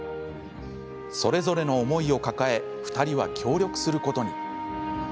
それぞれの思いを抱え２人は協力することに。